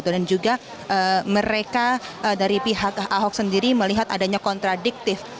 dan juga mereka dari pihak ahok sendiri melihat adanya kontradiktif